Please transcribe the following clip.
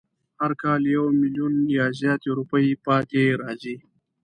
هر کال یو میلیونه یا زیاتې روپۍ پاتې راځي.